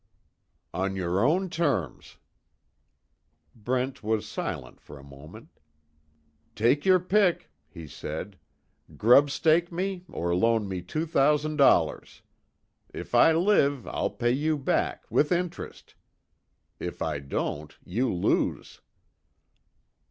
"On your own terms." Brent was silent for a moment: "Take your pick," he said, "Grub stake me, or loan me two thousand dollars. If I live I'll pay you back with interest. If I don't you lose."